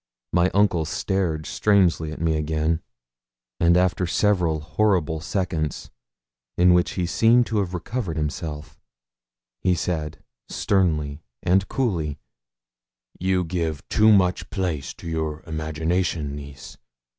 My uncle stared strangely at me again; and after several horrible seconds, in which he seemed to have recovered himself, he said, sternly and coolly 'You give too much place to your imagination, niece.